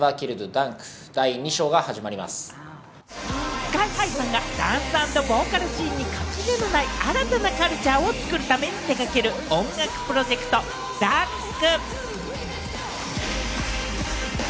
ＳＫＹ−ＨＩさんがダンス＆ボーカルチームに垣根のない新たなカルチャーを作るために手がける音楽プロジェクト「Ｄ．Ｕ．Ｎ．Ｋ．」。